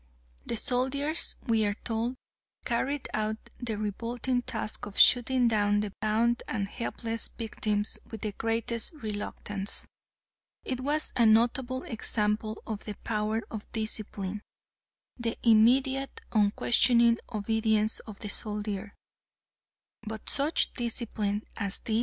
The soldiers, we are told, carried out their revolting task of shooting down the bound and helpless victims with the greatest reluctance. It was a notable example of the power of discipline, the immediate, unquestioning obedience of the soldier; but such discipline as this!